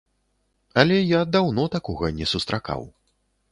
Але я даўно такога не сустракаў.